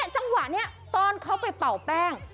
จังหวะนี้ตอนเขาไปเป่าแป้ง